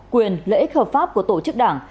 quyền lợi ích hợp pháp của tổ chức đảng